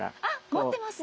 持ってますね。